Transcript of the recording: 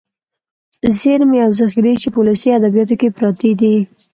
ذېرمې او ذخيرې چې په ولسي ادبياتو کې پراتې دي.